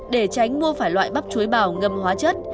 để tránh mua phải loại bắp chuối bào ngâm hóa chất